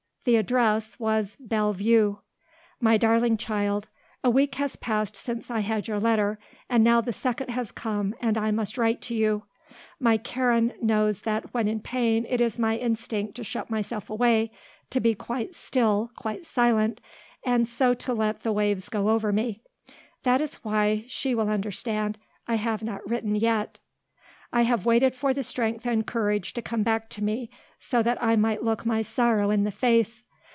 The address was "Belle Vue." "My Darling Child, A week has passed since I had your letter and now the second has come and I must write to you. My Karen knows that when in pain it is my instinct to shut myself away, to be quite still, quite silent, and so to let the waves go over me. That is why, she will understand, I have not written yet. I have waited for the strength and courage to come back to me so that I might look my sorrow in the face.